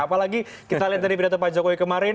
apalagi kita lihat dari pidato pak jokowi kemarin